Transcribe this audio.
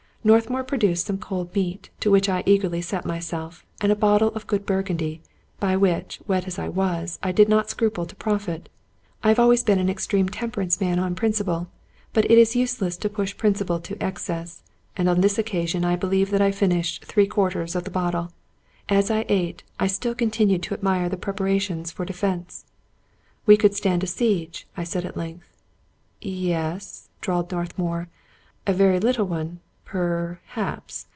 Northmour produced some cold meat, to which I eagerly set myself, and a bottle of good Burgundy, by which, wet as I was, I did not scruple to profit. I have always been an extreme temperance man on principle; but it is useless to push principle to excess, and on this occasion I believe that I finished three quarters of the bottle. As I eat, I still continued to admire the preparations for defense. •" We could stand a siege," I said at length. " Ye— es," drawled Northmour ;" a very little one, per — haps.